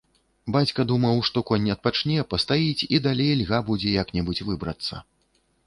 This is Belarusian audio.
Бацька думаў, што конь адпачне, пастаіць і далей льга будзе як-небудзь выбрацца.